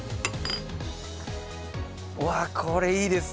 うわこれいいですね！